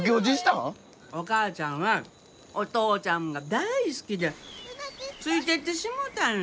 お母ちゃんはお父ちゃんが大好きでついていってしもうたんよ。